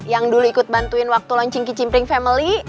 yang dulu ikut bantuin waktu launching kicimpring family